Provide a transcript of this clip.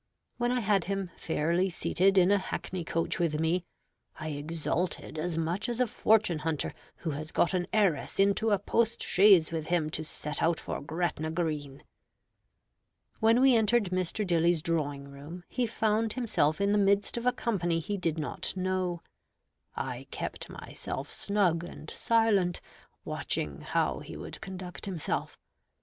When I had him fairly seated in a hackney coach with me, I exulted as much as a fortune hunter who has got an heiress into a post chaise with him to set out for Gretna Green. When we entered Mr. Dilly's drawing room, he found himself in the midst of a company he did not know. I kept myself snug and silent, watching how he would conduct himself.